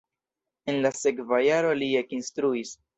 En la sekva jaro li ekinstruis.